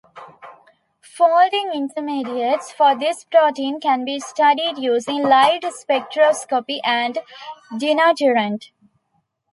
Folding intermediates for this protein can be studied using light spectroscopy and denaturant.